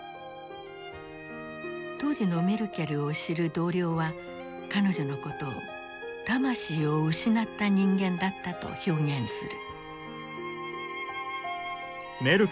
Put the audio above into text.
当時のメルケルを知る同僚は彼女のことを「魂を失った人間」だったと表現する。